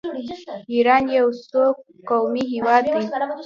ایران یو څو قومي هیواد دی.